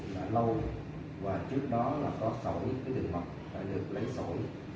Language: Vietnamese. bệnh nhân đã lâu và trước đó là có sổi cái địa mật đã được lấy sổi